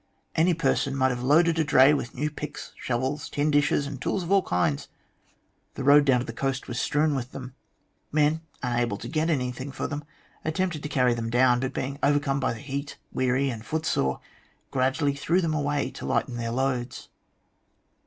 Any person might have loaded a dray with new picks, shovels, tin dishes, and tools of all kinds. The road down to the coast was strewn with them. Men, unable to get anything for them, attempted to carry them down, but being over come by the heat, weary and footsore, gradually threw them away to lighten their loads."